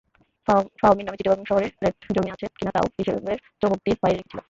ফাহমির নামে চিটাগাং শহরে ফ্ল্যাট-জমি আছে কিনা তাও হিসাবের চৌহদ্দির বাইরে রেখেছিলাম।